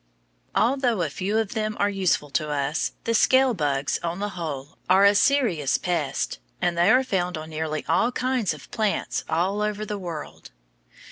Although a few of them are useful to us, the scale bugs, on the whole, are a serious pest; and they are found on nearly all kinds of plants all over the world.